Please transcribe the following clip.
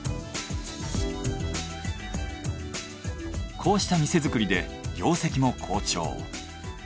こうした店作りで業績も好調。